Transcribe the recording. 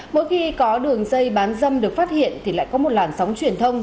mỗi khi có đường dây bán dâm được phát hiện thì lại có một làn sóng truyền thông